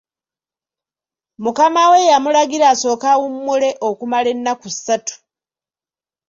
Mukama we yamulagira asooke awummule okumala ennaku ssatu.